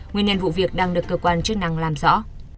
nguyên nhân vụ việc đang được cơ quan chức năng làm rõ